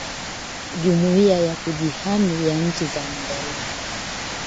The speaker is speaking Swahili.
Jumuia ya Kujihami ya nchi za magharibi